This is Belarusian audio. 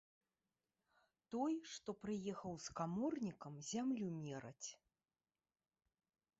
Той, што прыехаў з каморнікам зямлю мераць.